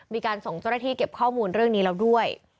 มีการส่งเจ้าหน้าที่เก็บข้อมูลเรื่องนี้แล้วด้วย